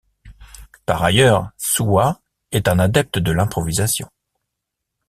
Par ailleurs, Suwa est un adepte de l'improvisation.